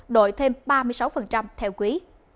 đổi thêm ba mươi sáu theo quý